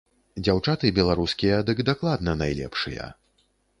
Дзяўчаты беларускія дык дакладна найлепшыя.